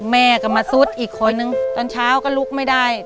แม่ก็มาซุดอีกคนนึงตอนเช้าก็ลุกไม่ได้